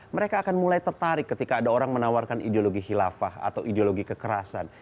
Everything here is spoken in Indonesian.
mereka akan mulai tertarik ketika ada orang menawarkan ideologi khilafah atau ideologi kekerasan